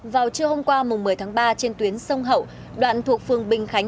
vào chiều hôm qua mùng một mươi tháng ba trên tuyến sông hậu đoạn thuộc phường bình khánh